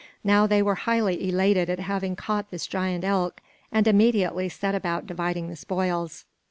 Now they were highly elated at having caught this giant elk and immediately set about dividing the spoils.